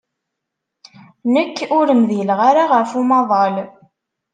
Nekk ur mdileɣ ara ɣef umaḍal.